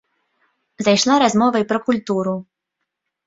Зайшла размова і пра культуру.